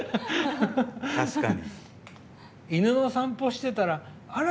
犬の散歩してたらあら！